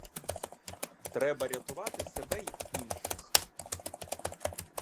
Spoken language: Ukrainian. Треба рятувати себе й інших.